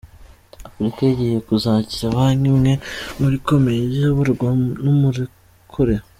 Afurika igiye kuzagira Banki imwe Nkuru ikomeye, izayoborwa n’umurokore.